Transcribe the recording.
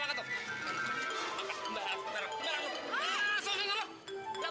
makan enggak sekarang